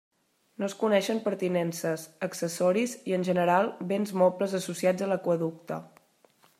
No es coneixen pertinences, accessoris i en general béns mobles associats a l'aqüeducte.